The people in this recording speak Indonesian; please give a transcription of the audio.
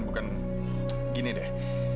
bukan gini deh